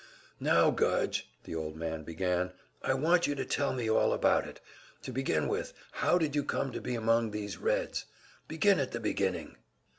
"Now, Gudge," the old man began, "I want you to tell me all about it. To begin with, how did you come to be among these Reds? Begin at the beginning."